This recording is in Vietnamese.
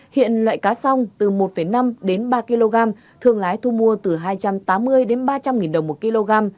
hiện loại cá song từ một năm ba kg thường lái thu mua từ hai trăm tám mươi ba trăm linh đồng một kg